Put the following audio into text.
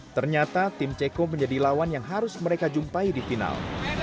ternyata tim ceko menjadi lawan yang harus mereka jumpai di final